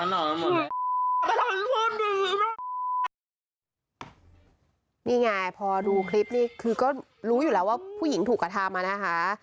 นี่ไงพอดูคลิปนี่คือก็รู้อยู่แล้วว่าผู้หญิงถูกกระทำอะนะคะ